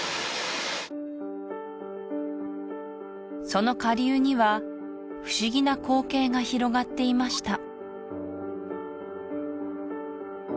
その下流には不思議な光景が広がっていました